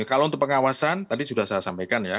kalau untuk pengawasan tadi sudah saya sampaikan ya